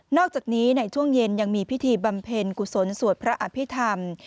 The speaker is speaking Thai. อกจากนี้ในช่วงเย็นยังมีพิธีบำเพ็ญกุศลสวดพระอภิษฐรรม